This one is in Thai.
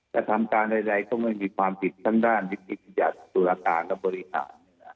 แต่ทำการใดก็ไม่มีความผิดทั้งด้านวิทยาศาสตร์ศูนย์อาการและบริหาร